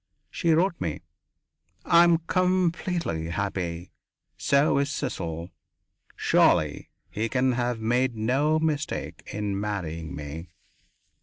She wrote me: "I am completely happy. So is Cecil. Surely he can have made no mistake in marrying me."